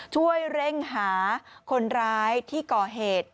ช่วยเร่งหาคนร้ายที่ก่อเหตุ